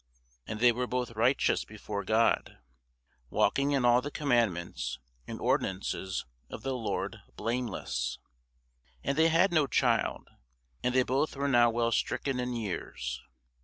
And they were both righteous before God, walking in all the commandments and ordinances of the Lord blameless. And they had no child, and they both were now well stricken in years.